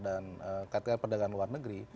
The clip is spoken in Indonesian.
dan kategori perdagangan luar negeri